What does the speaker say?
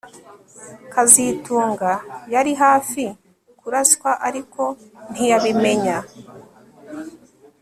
kazitunga yari hafi kuraswa ariko ntiyabimenya